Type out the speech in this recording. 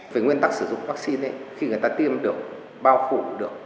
về nguyên tắc sử dụng vaccine khi người ta tiêm được bao phủ được